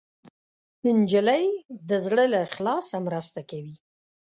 نجلۍ د زړه له اخلاصه مرسته کوي.